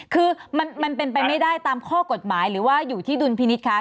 คือมันเป็นไปไม่ได้ตามข้อกฎหมายหรือว่าอยู่ที่ดุลพินิษฐ์คะ